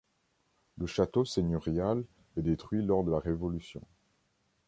Le château seigneurial est détruit lors de la Révolution.